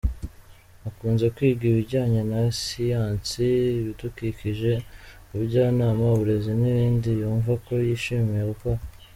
Akunze kwiga ibijyanye na siyansi, ibidukikije, ubujyanama, uburezi n’ibindi yumva ko yishimiye gukora.